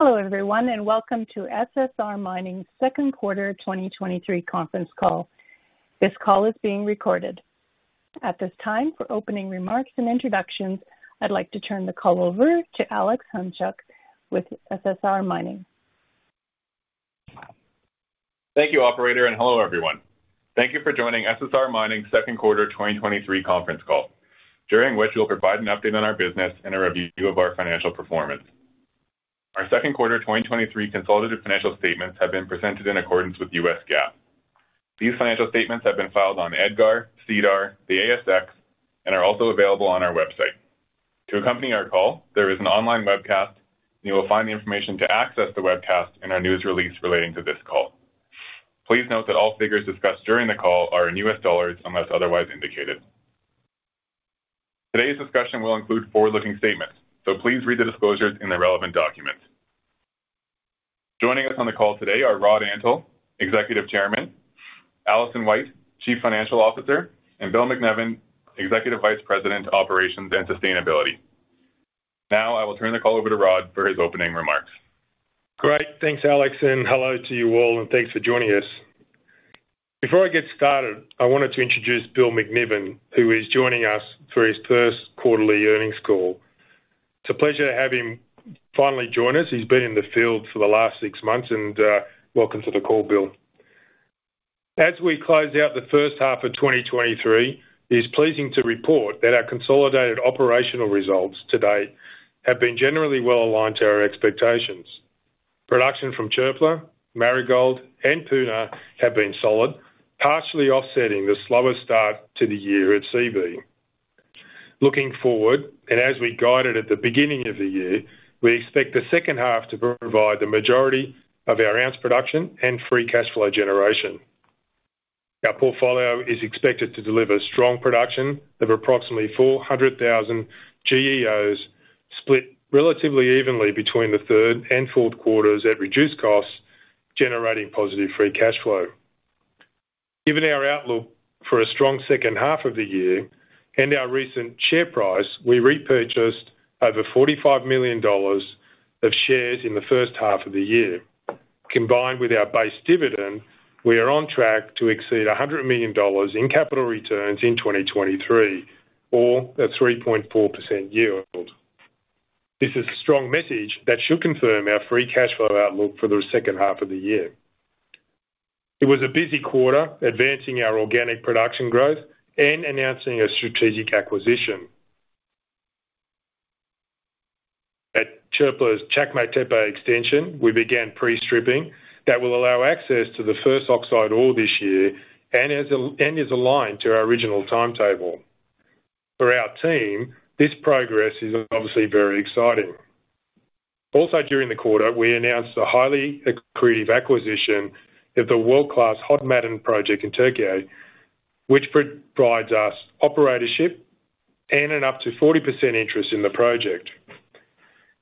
Hello, everyone, and welcome to SSR Mining's second quarter, 2023 conference call. This call is being recorded. At this time, for opening remarks and introductions, I'd like to turn the call over to Alex Hunchak with SSR Mining. Thank you, operator, and hello, everyone. Thank you for joining SSR Mining's second quarter 2023 conference call, during which we'll provide an update on our business and a review of our financial performance. Our second quarter 2023 consolidated financial statements have been presented in accordance with U.S. GAAP. These financial statements have been filed on EDGAR, SEDAR, the ASX, and are also available on our website. To accompany our call, there is an online webcast, and you will find the information to access the webcast in our news release relating to this call. Please note that all figures discussed during the call are in US dollars unless otherwise indicated. Today's discussion will include forward-looking statements, so please read the disclosures in the relevant documents. Joining us on the call today are Rod Antal, Executive Chairman, Alison White, Chief Financial Officer, and Bill MacNevin, Executive Vice President, Operations and Sustainability. Now, I will turn the call over to Rod for his opening remarks. Great! Thanks, Alex, hello to you all, thanks for joining us. Before I get started, I wanted to introduce Bill MacNevin, who is joining us for his first quarterly earnings call. It's a pleasure to have him finally join us. He's been in the field for the last six months, welcome to the call, Bill. As we close out the first half of 2023, it is pleasing to report that our consolidated operational results to date have been generally well aligned to our expectations. Production from Çöpler, Marigold, Puna have been solid, partially offsetting the slower start to the year at Seabee. Looking forward, as we guided at the beginning of the year, we expect the second half to provide the majority of our ounce production and free cash flow generation. Our portfolio is expected to deliver strong production of approximately 400,000 GEOs, split relatively evenly between the third and fourth quarters at reduced costs, generating positive free cash flow. Given our outlook for a strong second half of the year and our recent share price, we repurchased over $45 million of shares in the first half of the year. Combined with our base dividend, we are on track to exceed $100 million in capital returns in 2023 or a 3.4% yield. This is a strong message that should confirm our free cash flow outlook for the second half of the year. It was a busy quarter, advancing our organic production growth and announcing a strategic acquisition. At Çöpler's Çakmaktepe extension, we began pre-stripping. That will allow access to the first oxide ore this year and is aligned to our original timetable. For our team, this progress is obviously very exciting. Also, during the quarter, we announced a highly accretive acquisition of the world-class Hod Maden project in Turkey, which provides us operatorship and an up to 40% interest in the project.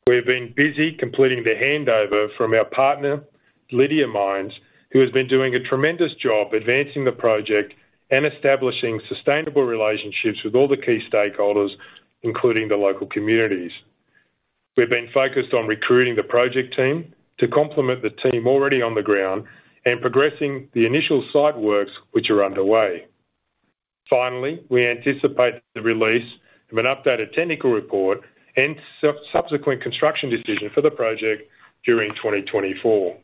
We have been busy completing the handover from our partner, Lidya Mines, who has been doing a tremendous job advancing the project and establishing sustainable relationships with all the key stakeholders, including the local communities. We've been focused on recruiting the project team to complement the team already on the ground and progressing the initial site works which are underway. Finally, we anticipate the release of an updated technical report and subsequent construction decision for the project during 2024.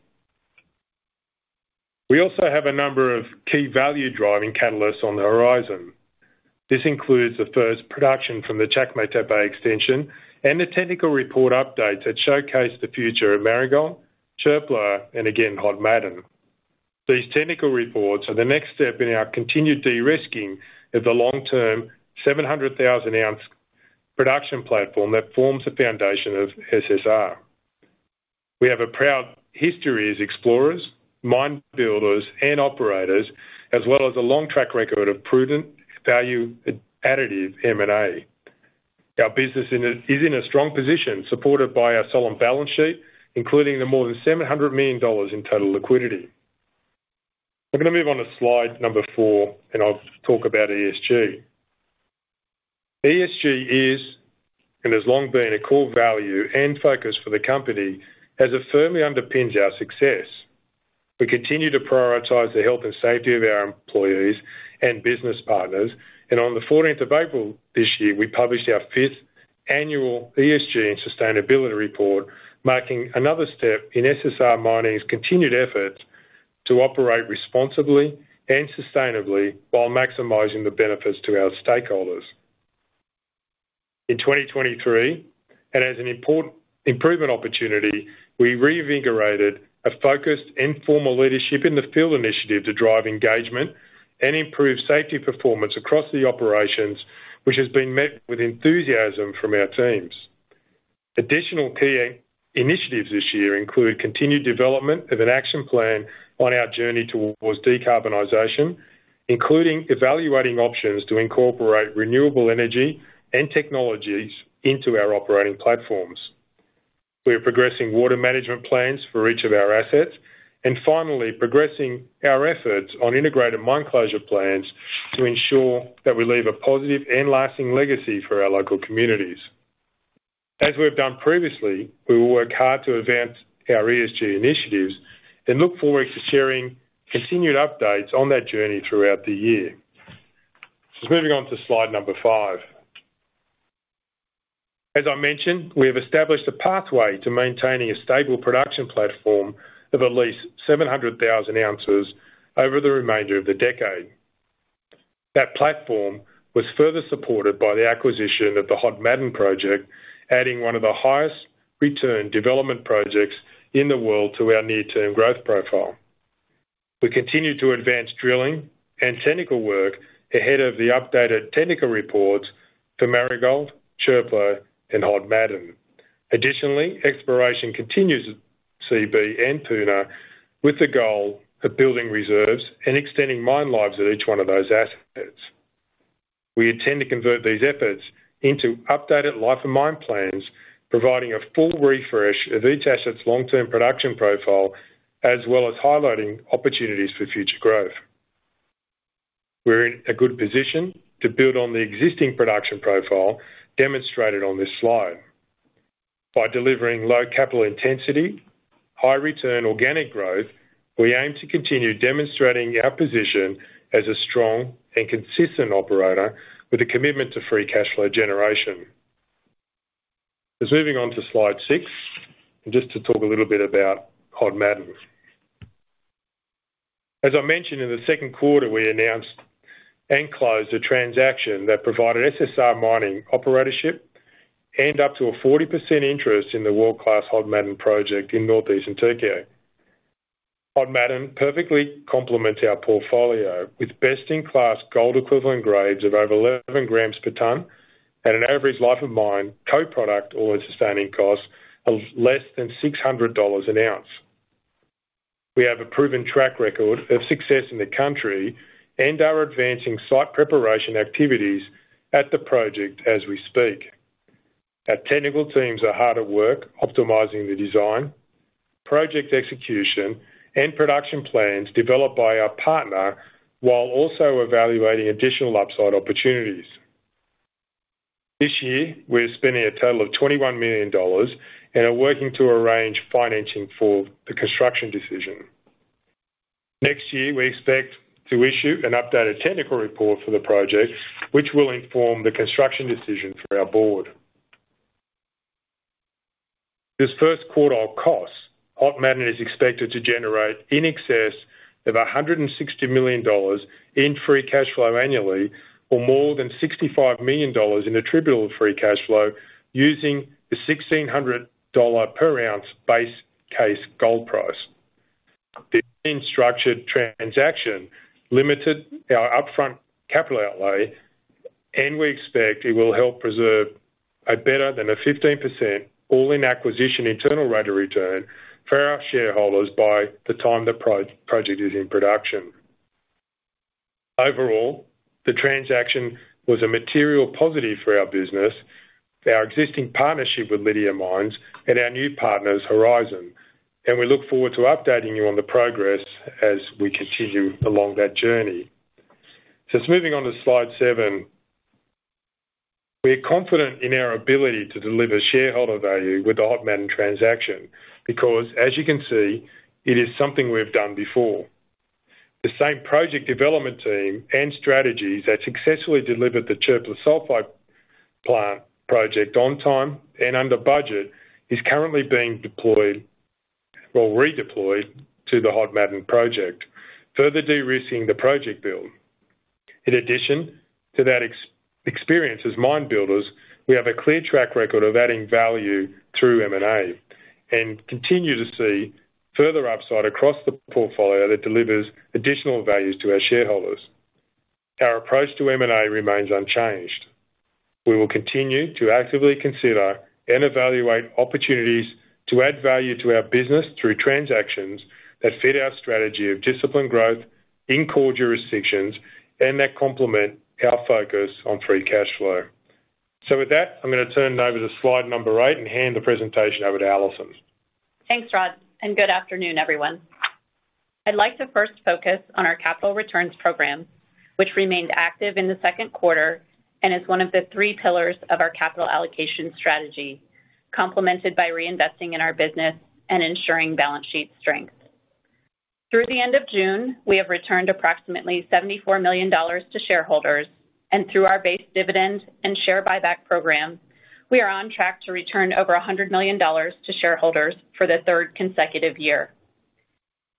We also have a number of key value-driving catalysts on the horizon. This includes the first production from the Çakmaktepe extension and the technical report updates that showcase the future of Marigold, Çöpler, and again, Hod Maden. These technical reports are the next step in our continued de-risking of the long-term, 700,000 oz production platform that forms the foundation of SSR. We have a proud history as explorers, mine builders, and operators, as well as a long track record of prudent value additive M&A. Our business is in a strong position, supported by our solid balance sheet, including the more than $700 million in total liquidity. We're going to move on to slide number four. I'll talk about ESG. ESG is, and has long been, a core value and focus for the company as it firmly underpins our success. We continue to prioritize the health and safety of our employees and business partners, and on the 14th of April this year, we published our fifth annual ESG and sustainability report, marking another step in SSR Mining's continued efforts to operate responsibly and sustainably while maximizing the benefits to our stakeholders. In 2023, and as an important improvement opportunity, we reinvigorated a focused and formal leadership in the field initiative to drive engagement and improve safety performance across the operations, which has been met with enthusiasm from our teams. Additional key initiatives this year include continued development of an action plan on our journey towards decarbonization, including evaluating options to incorporate renewable energy and technologies into our operating platforms. We are progressing water management plans for each of our assets and finally progressing our efforts on integrated mine closure plans to ensure that we leave a positive and lasting legacy for our local communities. As we've done previously, we will work hard to advance our ESG initiatives and look forward to sharing continued updates on that journey throughout the year. Moving on to slide number five. As I mentioned, we have established a pathway to maintaining a stable production platform of at least 700,000 oz over the remainder of the decade. That platform was further supported by the acquisition of the Hod Maden project, adding one of the highest return development projects in the world to our near-term growth profile. We continue to advance drilling and technical work ahead of the updated technical reports for Marigold, Çöpler, and Hod Maden. Additionally, exploration continues at Seabee and Puna, with the goal of building reserves and extending mine lives at each one of those assets. We intend to convert these efforts into updated life and mine plans, providing a full refresh of each asset's long-term production profile, as well as highlighting opportunities for future growth. We're in a good position to build on the existing production profile demonstrated on this slide. By delivering low capital intensity, high return organic growth, we aim to continue demonstrating our position as a strong and consistent operator with a commitment to free cash flow generation. Moving on to slide six, and just to talk a little bit about Hod Maden. As I mentioned, in the second quarter, we announced and closed a transaction that provided SSR Mining operatorship and up to a 40% interest in the world-class Hod Maden project in Northeastern Türkiye. Hod Maden perfectly complements our portfolio with best-in-class gold equivalent grades of over 11 g per ton and an average life of mine, co-product, all-in sustaining costs of less than $600 an oz. We have a proven track record of success in the country and are advancing site preparation activities at the project as we speak. Our technical teams are hard at work, optimizing the design, project execution, and production plans developed by our partner, while also evaluating additional upside opportunities. This year, we're spending a total of $21 million and are working to arrange financing for the construction decision. Next year, we expect to issue an updated technical report for the project, which will inform the construction decision for our board. This first quarter cost, Hod Maden, is expected to generate in excess of $160 million in free cash flow annually, or more than $65 million in attributable free cash flow using the $1,600 per oz base case gold price. The structured transaction limited our upfront capital outlay, we expect it will help preserve a better than a 15% all-in acquisition internal rate of return for our shareholders by the time the project is in production. Overall, the transaction was a material positive for our business, our existing partnership with Lidya Mines and our new partners, Horizon, we look forward to updating you on the progress as we continue along that journey. Just moving on to slide seven. We are confident in our ability to deliver shareholder value with the Hod Maden transaction because, as you can see, it is something we've done before. The same project development team and strategies that successfully delivered the Çöpler Sulfide Plant project on time and under budget, is currently being deployed or redeployed to the Hod Maden project, further de-risking the project build. In addition to that experience as mine builders, we have a clear track record of adding value through M&A, and continue to see further upside across the portfolio that delivers additional values to our shareholders. Our approach to M&A remains unchanged. We will continue to actively consider and evaluate opportunities to add value to our business through transactions that fit our strategy of disciplined growth in core jurisdictions, and that complement our focus on free cash flow. With that, I'm gonna turn it over to slide number eight and hand the presentation over to Alison. Thanks, Rod, and good afternoon, everyone. I'd like to first focus on our capital returns program, which remained active in the second quarter and is one of the three pillars of our capital allocation strategy, complemented by reinvesting in our business and ensuring balance sheet strength. Through the end of June, we have returned approximately $74 million to shareholders. Through our base dividend and share buyback program, we are on track to return over $100 million to shareholders for the third consecutive year.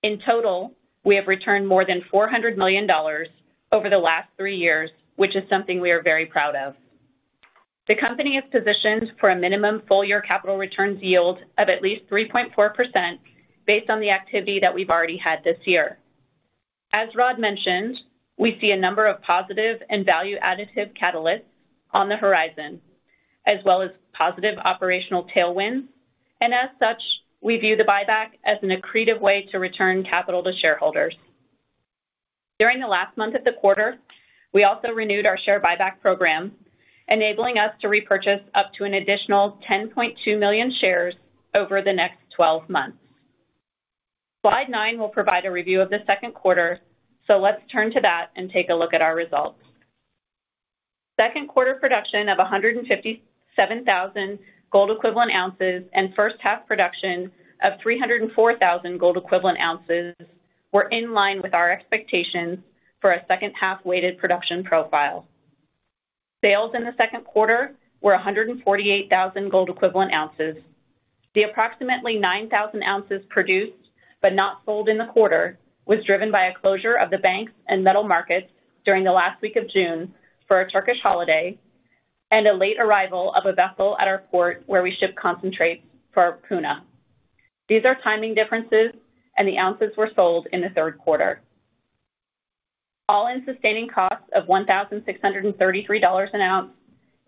In total, we have returned more than $400 million over the last three years, which is something we are very proud of. The company is positioned for a minimum full-year capital returns yield of at least 3.4% based on the activity that we've already had this year. As Rod mentioned, we see a number of positive and value additive catalysts on the horizon, as well as positive operational tailwinds. As such, we view the buyback as an accretive way to return capital to shareholders. During the last month of the quarter, we also renewed our share buyback program, enabling us to repurchase up to an additional 10.2 million shares over the next 12 months. Slide nine will provide a review of the second quarter, so let's turn to that and take a look at our results. Second quarter production of 157,000 gold equivalent oz, first half production of 304,000 gold equivalent oz, were in line with our expectations for a second half-weighted production profile. Sales in the second quarter were 148,000 gold equivalent oz. The approximately 9,000 oz produced, but not sold in the quarter, was driven by a closure of the banks and metal markets during the last week of June for a Turkish holiday, and a late arrival of a vessel at our port, where we ship concentrates for Puna. These are timing differences, and the ounces were sold in the third quarter. All-in sustaining costs of $1,633 an oz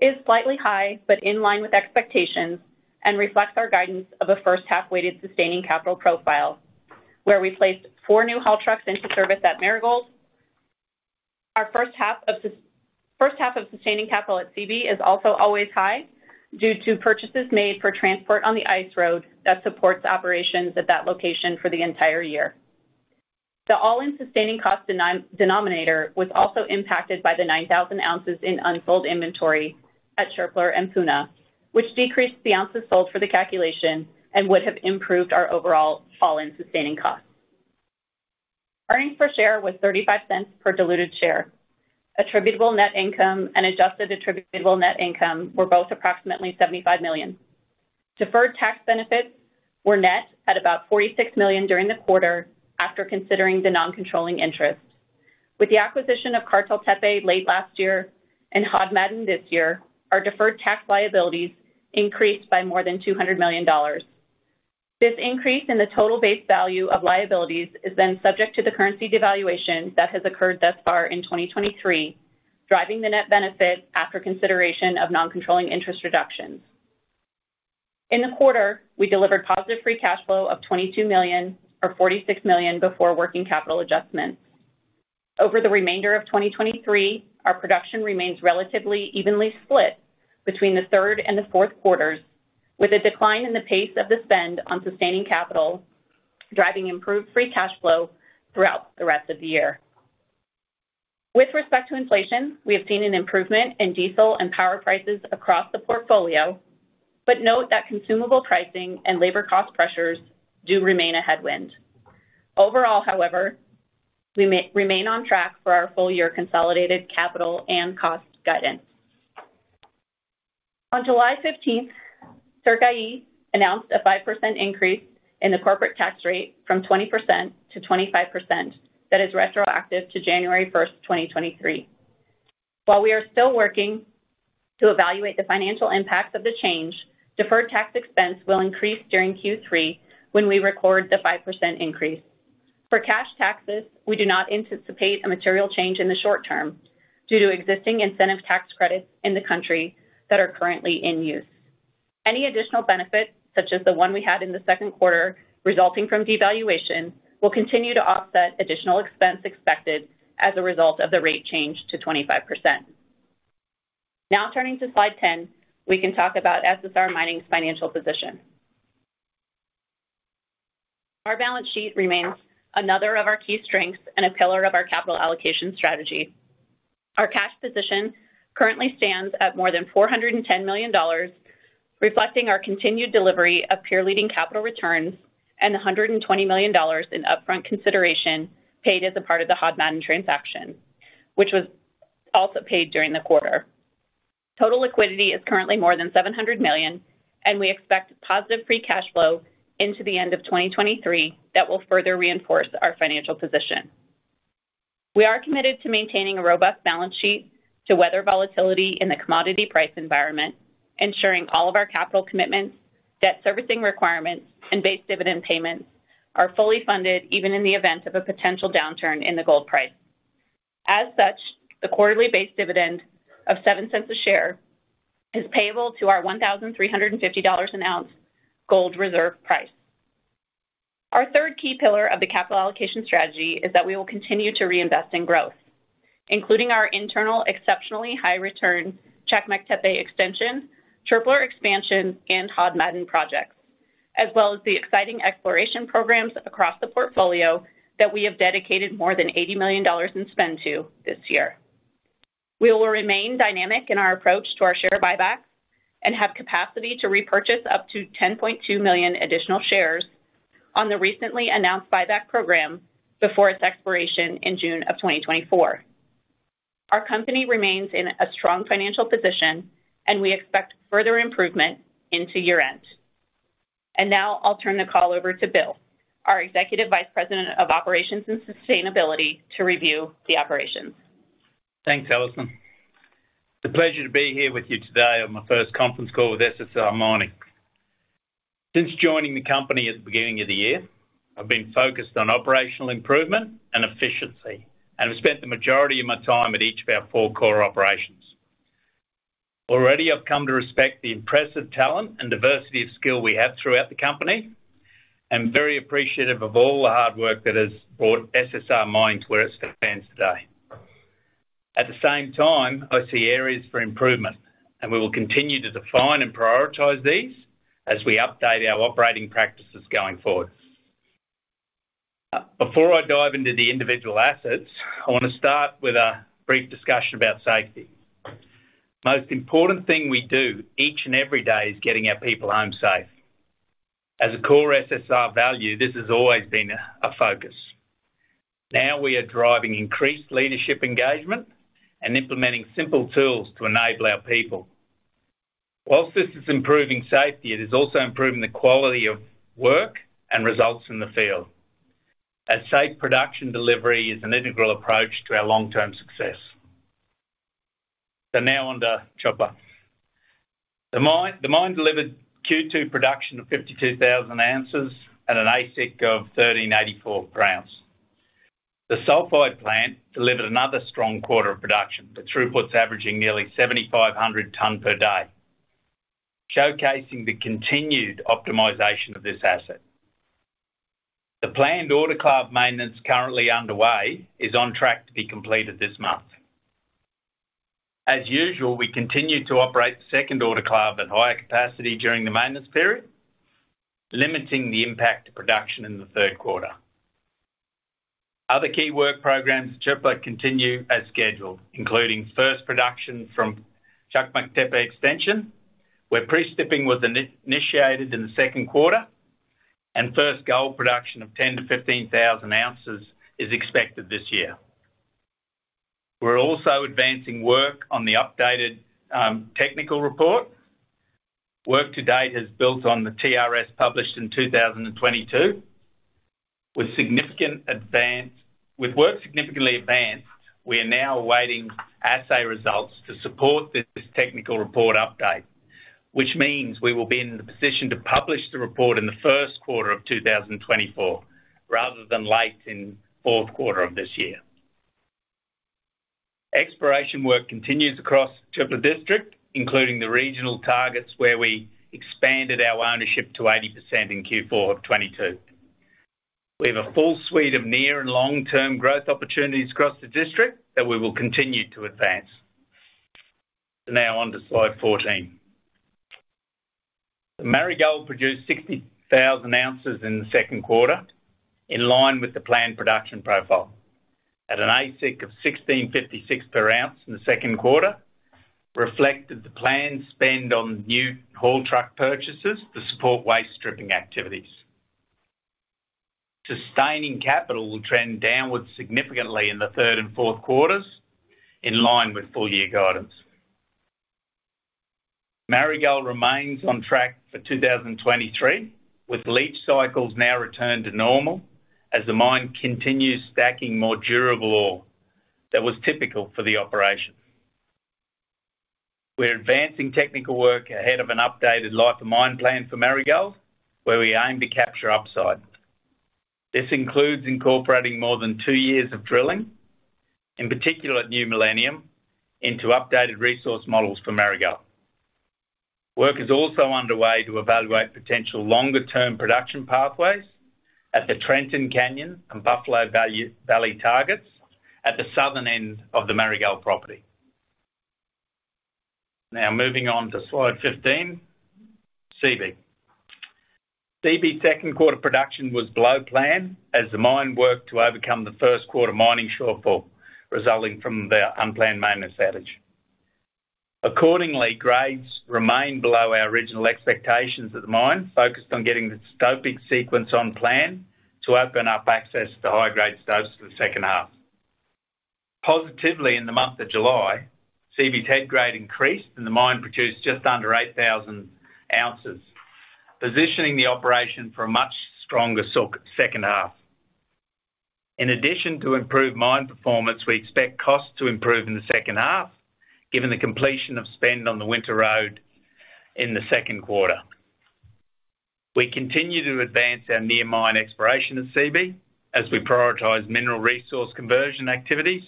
is slightly high, but in line with expectations, and reflects our guidance of a first half-weighted sustaining capital profile, where we placed four new haul trucks into service at Marigold. Our first half of sustaining capital at Seabee is also always high, due to purchases made for transport on the ice road that supports operations at that location for the entire year. The all-in sustaining cost denominator was also impacted by the 9,000 oz in unsold inventory at Çöpler and Puna, which decreased the ounces sold for the calculation and would have improved our overall all-in sustaining costs. Earnings per share was $0.35 per diluted share. Attributable net income and adjusted attributable net income were both approximately $75 million. Deferred tax benefits were net at about $46 million during the quarter, after considering the non-controlling interest. With the acquisition of Kartaltepe late last year and Hod Maden this year, our deferred tax liabilities increased by more than $200 million. This increase in the total base value of liabilities is subject to the currency devaluation that has occurred thus far in 2023, driving the net benefit after consideration of non-controlling interest reductions. In the quarter, we delivered positive free cash flow of $22 million, or $46 million before working capital adjustments. Over the remainder of 2023, our production remains relatively evenly split between the third and fourth quarters, with a decline in the pace of the spend on sustaining capital, driving improved free cash flow throughout the rest of the year. With respect to inflation, we have seen an improvement in diesel and power prices across the portfolio, but note that consumable pricing and labor cost pressures do remain a headwind. Overall, however, we remain on track for our full year consolidated capital and cost guidance. On July 15th, Türkiye announced a 5% increase in the corporate tax rate from 20% to 25%. That is retroactive to January 1st, 2023. While we are still working to evaluate the financial impacts of the change, deferred tax expense will increase during Q3 when we record the 5% increase. For cash taxes, we do not anticipate a material change in the short term due to existing incentive tax credits in the country that are currently in use. Any additional benefits, such as the one we had in the second quarter, resulting from devaluation, will continue to offset additional expense expected as a result of the rate change to 25%. Now turning to slide 10, we can talk about SSR Mining's financial position. Our balance sheet remains another of our key strengths and a pillar of our capital allocation strategy. Our cash position currently stands at more than $410 million, reflecting our continued delivery of peer-leading capital returns and $120 million in upfront consideration paid as a part of the Hod Maden transaction, which was also paid during the quarter. Total liquidity is currently more than $700 million, and we expect positive free cash flow into the end of 2023 that will further reinforce our financial position. We are committed to maintaining a robust balance sheet to weather volatility in the commodity price environment, ensuring all of our capital commitments, debt servicing requirements, and base dividend payments are fully funded, even in the event of a potential downturn in the gold price. As such, the quarterly base dividend of $0.07 a share is payable to our $1,350 an oz gold reserve price. Our third key pillar of the capital allocation strategy is that we will continue to reinvest in growth, including our internal exceptionally high return, Çakmaktepe extension, Çöpler expansion, and Hod Maden projects, as well as the exciting exploration programs across the portfolio that we have dedicated more than $80 million in spend to this year. We will remain dynamic in our approach to our share buybacks and have capacity to repurchase up to 10.2 million additional shares on the recently announced buyback program before its expiration in June of 2024. Our company remains in a strong financial position, and we expect further improvement into year-end. Now I'll turn the call over to Bill, our Executive Vice President of Operations and Sustainability, to review the operations. Thanks, Alison. It's a pleasure to be here with you today on my first conference call with SSR Mining. Since joining the company at the beginning of the year, I've been focused on operational improvement and efficiency, and I've spent the majority of my time at each of our four core operations. Already, I've come to respect the impressive talent and diversity of skill we have throughout the company. I'm very appreciative of all the hard work that has brought SSR Mining where it stands today. At the same time, I see areas for improvement, and we will continue to define and prioritize these as we update our operating practices going forward. Before I dive into the individual assets, I want to start with a brief discussion about safety. Most important thing we do each and every day is getting our people home safe. As a core SSR value, this has always been a focus. We are driving increased leadership engagement and implementing simple tools to enable our people. While this is improving safety, it is also improving the quality of work and results in the field, as safe production delivery is an integral approach to our long-term success. Now on to Çöpler. The mine delivered Q2 production of 52,000 oz at an AISC of 1,384 g. The sulfide plant delivered another strong quarter of production, with throughputs averaging nearly 7,500 tons per day, showcasing the continued optimization of this asset. The planned autoclave maintenance currently underway is on track to be completed this month. As usual, we continued to operate the second autoclave at higher capacity during the maintenance period, limiting the impact to production in the third quarter. Other key work programs at Çöpler continue as scheduled, including first production from Çakmaktepe extension, where pre-stripping was initiated in the second quarter. First gold production of 10,000-15,000 oz is expected this year. We're also advancing work on the updated technical report. Work to date has built on the TRS, published in 2022. With work significantly advanced, we are now awaiting assay results to support this technical report update, which means we will be in the position to publish the report in the first quarter of 2024, rather than late in fourth quarter of this year. Exploration work continues across Çöpler District, including the regional targets, where we expanded our ownership to 80% in Q4 of 2022. We have a full suite of near and long-term growth opportunities across the district that we will continue to advance. Now on to slide 14. Marigold produced 60,000 oz in the second quarter, in line with the planned production profile. At an AISC of $1,656 per oz in the second quarter, reflected the planned spend on new haul truck purchases to support waste stripping activities. Sustaining capital will trend downwards significantly in the third and fourth quarters, in line with full year guidance. Marigold remains on track for 2023, with leach cycles now returned to normal as the mine continues stacking more durable ore that was typical for the operation. We're advancing technical work ahead of an updated life of mine plan for Marigold, where we aim to capture upside. This includes incorporating more than two years of drilling, in particular at New Millennium, into updated resource models for Marigold. Work is also underway to evaluate potential longer term production pathways at the Trenton Canyon and Buffalo Valley targets at the southern end of the Marigold property. Moving on to slide 15, Seabee. Seabee second quarter production was below plan as the mine worked to overcome the first quarter mining shortfall, resulting from the unplanned maintenance outage. Accordingly, grades remain below our original expectations of the mine, focused on getting the stoping sequence on plan to open up access to high-grade stops for the second half. Positively, in the month of July, Seabee's head grade increased and the mine produced just under 8,000 oz, positioning the operation for a much stronger second half. In addition to improved mine performance, we expect costs to improve in the second half, given the completion of spend on the winter road in the second quarter. We continue to advance our near mine exploration at Seabee, as we prioritize mineral resource conversion activities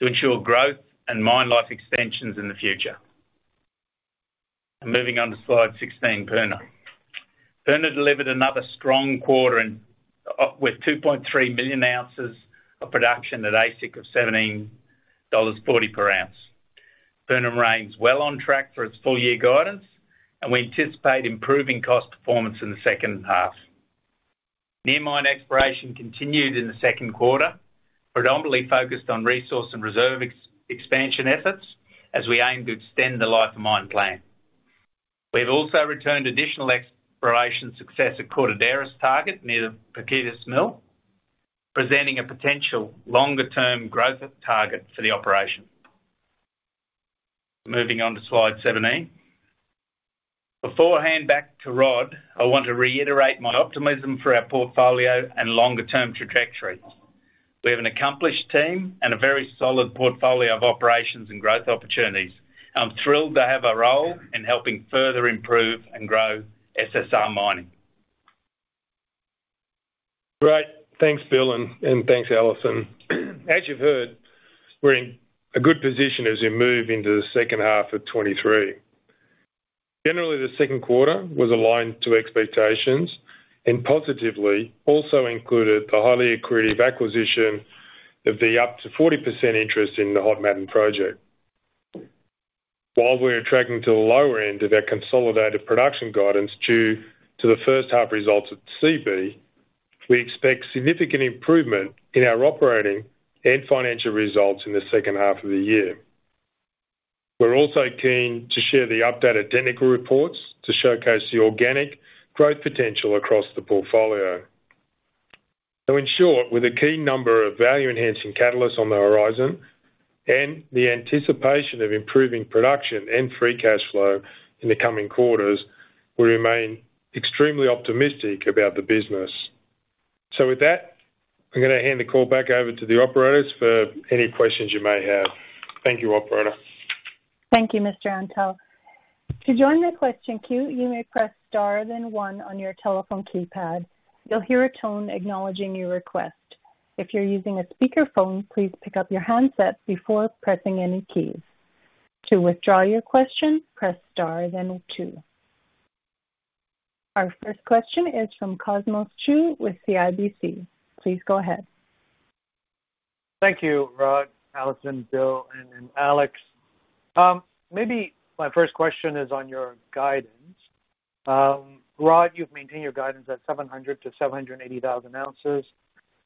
to ensure growth and mine life extensions in the future. Moving on to slide 16, Puna. Puna delivered another strong quarter with 2.3 million oz of production at AISC of $17.40 per oz. Puna remains well on track for its full-year guidance, and we anticipate improving cost performance in the second half. Near mine exploration continued in the second quarter, predominantly focused on resource and reserve expansion efforts as we aim to extend the life of mine plan. We've also returned additional exploration success at Cortaderas target, near the Pirquitas mill, presenting a potential longer term growth target for the operation. Moving on to slide 17. Beforehand back to Rod, I want to reiterate my optimism for our portfolio and longer-term trajectory. We have an accomplished team and a very solid portfolio of operations and growth opportunities. I'm thrilled to have a role in helping further improve and grow SSR Mining. Great! Thanks, Bill, and thanks, Alison. As you've heard, we're in a good position as we move into the second half of 2023. Generally, the second quarter was aligned to expectations and positively also included the highly accretive acquisition of the up to 40% interest in the Hod Maden project. While we're attracting to the lower end of our consolidated production guidance due to the first half results at Seabee, we expect significant improvement in our operating and financial results in the second half of the year. We're also keen to share the updated technical reports to showcase the organic growth potential across the portfolio. In short, with a key number of value-enhancing catalysts on the horizon and the anticipation of improving production and free cash flow in the coming quarters, we remain extremely optimistic about the business. With that, I'm gonna hand the call back over to the operators for any questions you may have. Thank you, operator. Thank you, Mr. Antal. To join the question queue, you may press star than one on your telephone keypad. You'll hear a tone acknowledging your request. If you're using a speakerphone, please pick up your handset before pressing any keys. To withdraw your question, press star then two. Our first question is from Cosmos Chiu with CIBC. Please go ahead. Thank you, Rod, Alison, Bill, and Alex. Maybe my first question is on your guidance. Rod, you've maintained your guidance at 700,000-780,000 oz, GEOs,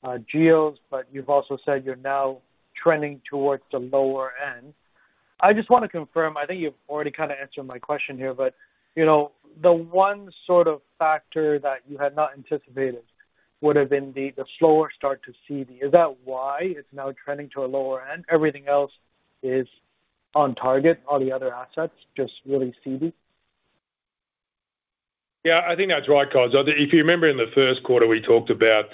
but you've also said you're now trending towards the lower end. I just wanna confirm, I think you've already kinda answered my question here, but, you know, the one sort of factor that you had not anticipated would have been the, the slower start to Seabee. Is that why it's now trending to a lower end? Everything else is on target, all the other assets, just really Seabee? Yeah, I think that's right, Cos. If you remember in the first quarter, we talked about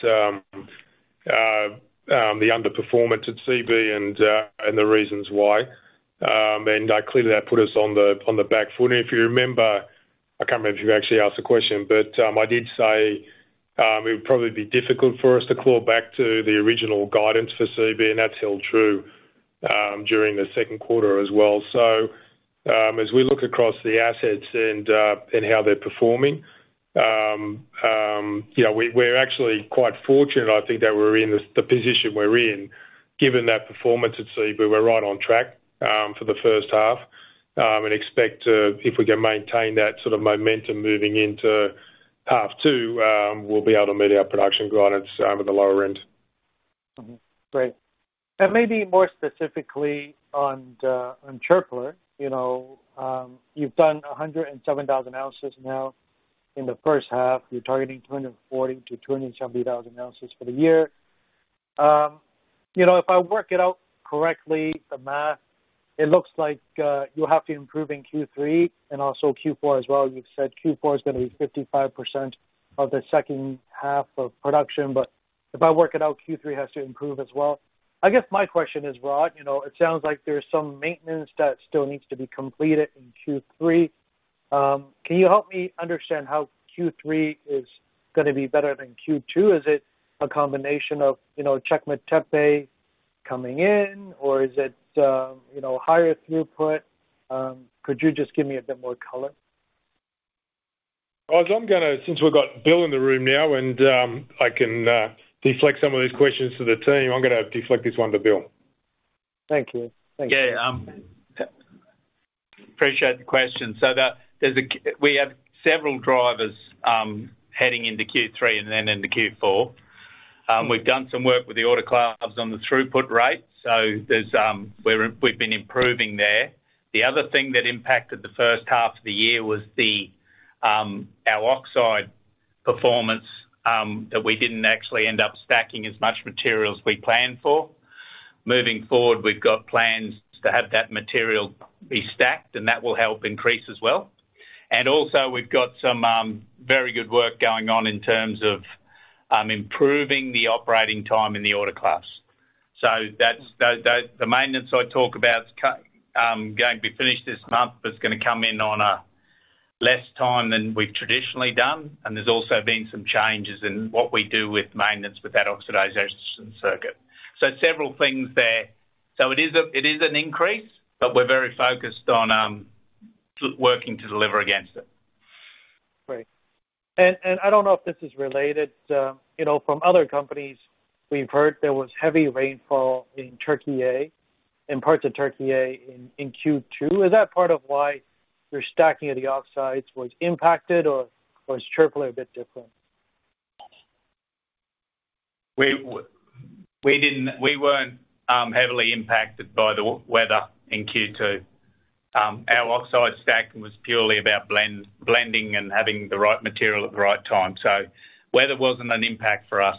the underperformance at Seabee and the reasons why. Clearly, that put us on the back foot. If you remember, I can't remember if you actually asked the question, but I did say it would probably be difficult for us to call back to the original guidance for Seabee, and that's held true during the second quarter as well. As we look across the assets and how they're performing, you know, we-we're actually quite fortunate, I think that we're in the position we're in. Given that performance at Seabee, we're right on track for the first half, and expect to, if we can maintain that sort of momentum moving into second half, we'll be able to meet our production guidance at the lower end. Great. Maybe more specifically on the, on Çöpler, you know, you've done 107,000 oz now in the first half. You're targeting 240,000-270,000 oz for the year. You know, if I work it out correctly, the math, it looks like, you'll have to improve in Q3 and also Q4 as well. You've said Q4 is gonna be 55% of the second half of production, but if I work it out, Q3 has to improve as well. I guess my question is, Rod, you know, it sounds like there's some maintenance that still needs to be completed in Q3. Can you help me understand how Q3 is gonna be better than Q2? Is it a combination of, you know, Çakmaktepe coming in, or is it, you know, higher throughput? Could you just give me a bit more color? Well, I'm gonna, since we've got Bill in the room now and, I can, deflect some of these questions to the team, I'm gonna deflect this one to Bill. Thank you. Yeah, appreciate the question. There's a we have several drivers, heading into Q3 and then into Q4. We've done some work with the autoclaves on the throughput rate, so there's, we're, we've been improving there. The other thing that impacted the first half of the year was the, our oxide performance, that we didn't actually end up stacking as much material as we planned for. Moving forward, we've got plans to have that material be stacked, and that will help increase as well. Also we've got some, very good work going on in terms of, improving the operating time in the autoclaves. That's, the maintenance I talk about is going to be finished this month, but it's gonna come in on a less time than we've traditionally done, and there's also been some changes in what we do with maintenance with that oxidization circuit. Several things there. It is a, it is an increase, but we're very focused on working to deliver against it. Great. I don't know if this is related, you know, from other companies, we've heard there was heavy rainfall in Türkiye, in parts of Türkiye in, in Q2. Is that part of why your stacking of the oxides was impacted, or was Çöpler a bit different? We didn't, we weren't heavily impacted by the weather in Q2. Our oxide stack was purely about blending and having the right material at the right time. Weather wasn't an impact for us.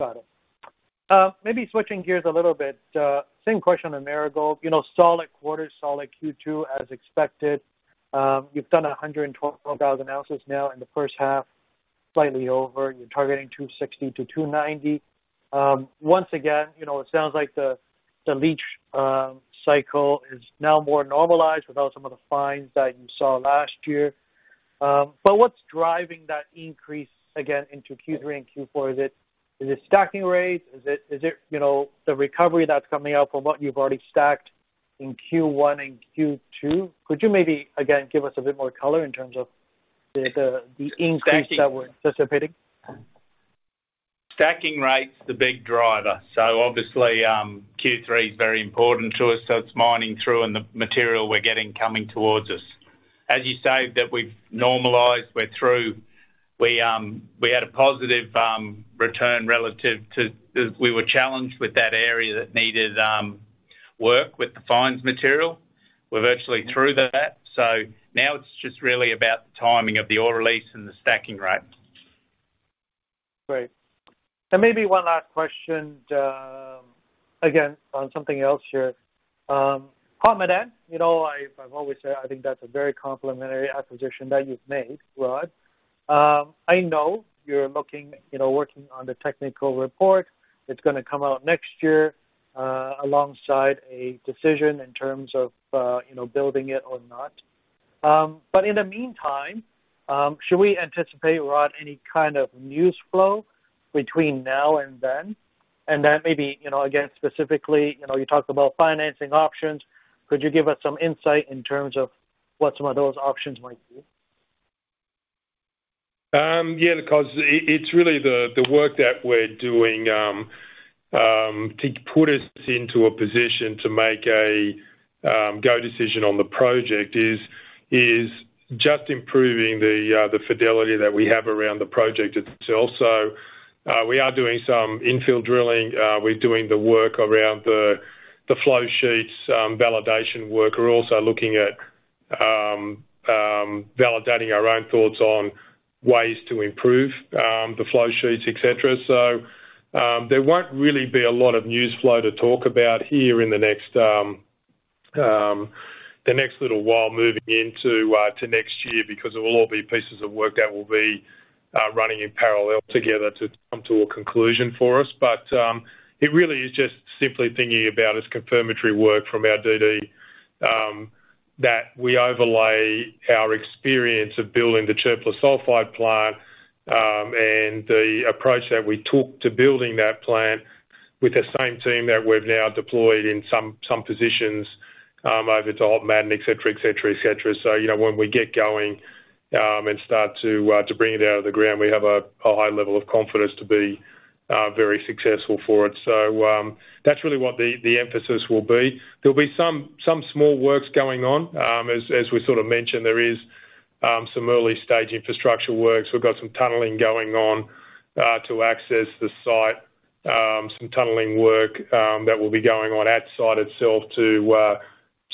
Got it. Maybe switching gears a little bit, same question on Marigold. You know, solid quarter, solid Q2 as expected. You've done 112,000 oz now in the first half, slightly over, and you're targeting 260,000-290,000. Once again, you know, it sounds like the, the leech cycle is now more normalized without some of the fines that you saw last year. What's driving that increase again into Q3 and Q4? Is it stacking rates? Is it, you know, the recovery that's coming out from what you've already stacked in Q1 and Q2? Could you maybe, again, give us a bit more color in terms of the increase that we're anticipating? Stacking rate's the big driver. Obviously, Q3 is very important to us, so it's mining through and the material we're getting coming towards us. As you say, that we've normalized, we're through. We, we had a positive return relative to we were challenged with that area that needed work with the fines material. We're virtually through that. Now it's just really about the timing of the ore release and the stacking rate. Great. Maybe one last question, again, on something else here. Hod Maden, you know, I've, I've always said I think that's a very complimentary acquisition that you've made, Rod. I know you're looking, you know, working on the technical report. It's gonna come out next year, alongside a decision in terms of, you know, building it or not. In the meantime, should we anticipate, Rod, any kind of news flow between now and then? Then maybe, you know, again, specifically, you know, you talked about financing options. Could you give us some insight in terms of what some of those options might be? Yeah, because it, it's really the work that we're doing to put us into a position to make a go decision on the project is just improving the fidelity that we have around the project itself. We are doing some infill drilling. We're doing the work around the flow sheets, validation work. We're also looking at validating our own thoughts on ways to improve the flow sheets, et cetera. There won't really be a lot of news flow to talk about here in the next, the next little while moving into next year, because it will all be pieces of work that will be running in parallel together to come to a conclusion for us. It really is just simply thinking about as confirmatory work from our DD, that we overlay our experience of building the Çöpler Sulfide Plant, and the approach that we took to building that plant with the same team that we've now deployed in some, some positions, over to Hod Maden, et cetera, et cetera, et cetera. You know, when we get going, and start to bring it out of the ground, we have a high level of confidence to be very successful for it. That's really what the emphasis will be. There'll be some, some small works going on. As, as we sort of mentioned, there is some early stage infrastructure works. We've got some tunneling going on to access the site. Some tunneling work that will be going on at site itself to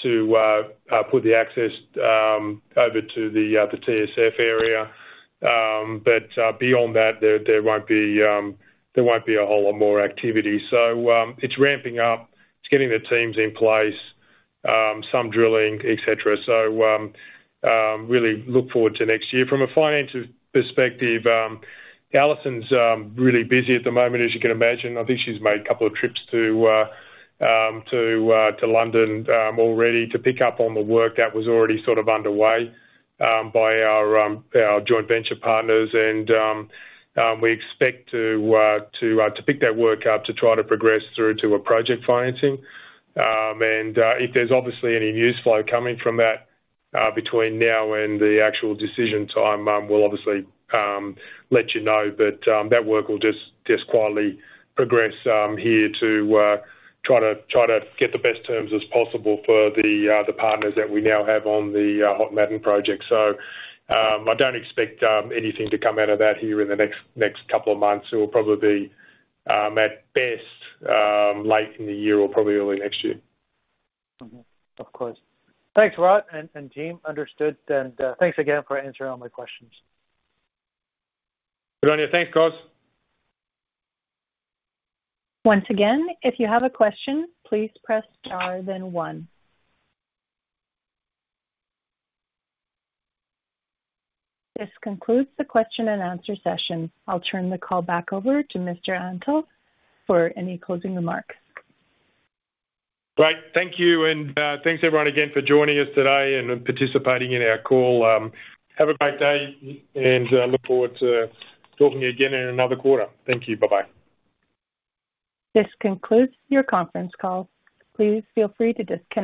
to put the access over to the TSF area. Beyond that, there, there won't be there won't be a whole lot more activity. It's ramping up. It's getting the teams in place, some drilling, et cetera. Really look forward to next year. From a financial perspective, Alison's really busy at the moment, as you can imagine. I think she's made a couple of trips to to London already to pick up on the work that was already sort of underway by our our joint venture partners. We expect to to pick that work up, to try to progress through to a project financing. If there's obviously any news flow coming from that, between now and the actual decision time, we'll obviously let you know. That work will just, just quietly progress here to try to, try to get the best terms as possible for the partners that we now have on the Hod Maden project. I don't expect anything to come out of that here in the next, next couple of months. It will probably be at best late in the year or probably early next year. Of course. Thanks, Rod and, and team. Understood. Thanks again for answering all my questions. Good on you. Thanks, Cos. Once again, if you have a question, please press star then one. This concludes the question and answer session. I'll turn the call back over to Mr. Antal for any closing remarks. Great. Thank you. Thanks, everyone, again for joining us today and participating in our call. Have a great day, and, look forward to talking to you again in another quarter. Thank you. Bye-bye. This concludes your conference call. Please feel free to disconnect.